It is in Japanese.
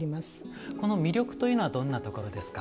この魅力というのはどんなところですか？